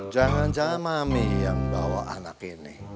jangan jangan mami yang bawa anak ini